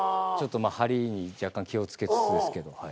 ちょっとまあ針に若干気を付けつつですけど。